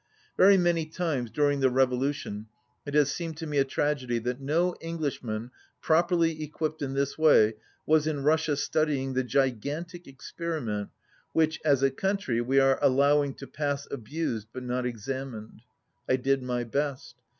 Very many times during the revolution it has seemed to me a tragedy that no Englishman prop erly equipped in this way was in Russia study ing the gigantic experiment which, as a country, we are allowing to pass abused but not examined. I did my best.